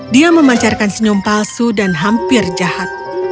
dia memancarkan senyum palsu dan hampir jahat